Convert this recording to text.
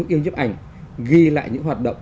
chúng yêu nhấp ảnh ghi lại những hoạt động